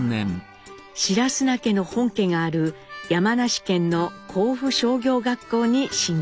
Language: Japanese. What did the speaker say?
白砂家の本家がある山梨県の甲府商業学校に進学しました。